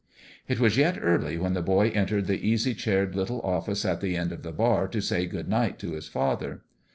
It was yet early when the boy entered the easy chaired little office at the end of the bar to say good night to his father.